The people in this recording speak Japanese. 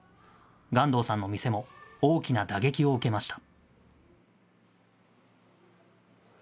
巖洞さんの店も、大きな打撃を受けました。